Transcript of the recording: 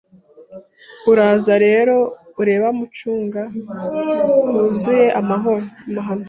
Uraza rero ureba mu mucanga wuzuye amahano